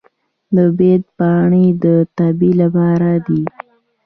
د بید پاڼې د تبې لپاره دي.